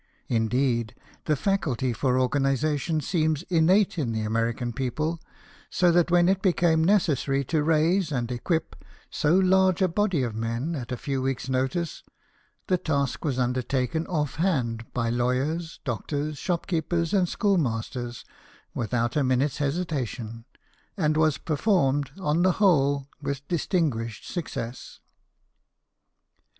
Indeed, the faculty for organization seems innate in the American people, so that when it became necessary to raise and equip so large a body of men at a few weeks' notice, the task was undertaken off hand by lawyers, doctors, shopkeepers, and schoolmasters, without a minute's hesitation, and was performed on the whole with dis tinguished success.